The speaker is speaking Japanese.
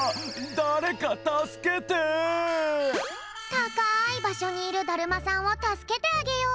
たかいばしょにいるだるまさんをたすけてあげよう！